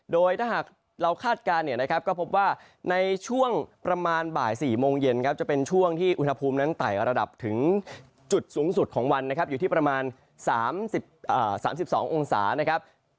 โดยถ้าหากเราคาดการณ์เนี่ยนะครับก็พบว่าในช่วงประมาณบ่าย๔โมงเย็นครับจะเป็นช่วงที่อุณหภูมินั้นไต่ระดับถึงจุดสูงสุดของวันนะครับอยู่ที่ประมาณ๓๒องศานะครับ